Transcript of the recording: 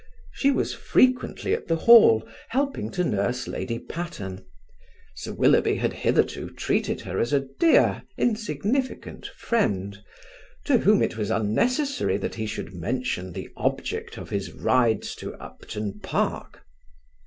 She was frequently at the Hall, helping to nurse Lady Patterne. Sir Willoughby had hitherto treated her as a dear insignificant friend, to whom it was unnecessary that he should mention the object of his rides to Upton Park.